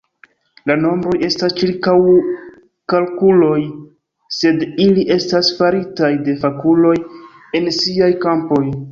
La nombroj estas ĉirkaŭkalkuloj, sed ili estas faritaj de fakuloj en siaj kampoj.